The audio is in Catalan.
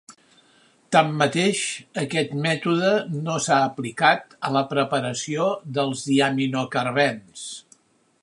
Tanmateix, aquest mètode no s'ha aplicat a la preparació de diaminocarbens.